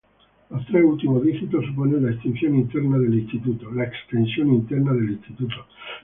Los tres últimos dígitos suponen la extensión interna del instituto.